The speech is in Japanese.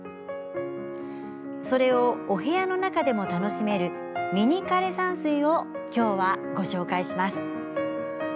それをお部屋の中でも楽しめるミニ枯れ山水を今日はご紹介します。